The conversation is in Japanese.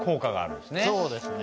そうですね。